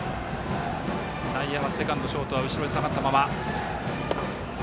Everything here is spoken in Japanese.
内野はセカンド、ショートは後ろに下がったまま。